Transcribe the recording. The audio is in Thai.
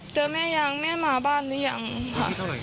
เจอแม่ยังแม่มาบ้านหรือยังค่ะ